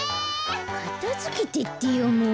かたづけてってよもう！